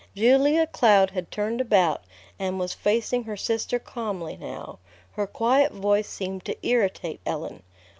Julia Cloud had turned about, and was facing her sister calmly now. Her quiet voice seemed to irritate Ellen.